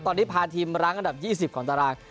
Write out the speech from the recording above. ตอนนี้พาทีมรั้งอันดับ๒๐ของตาราง